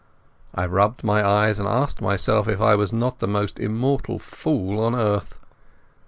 I rubbed my eyes and asked myself if I was not the most immortal fool on earth.